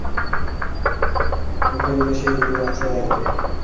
ভিখারীকে সেই রুটির অংশ দেওয়া হয়।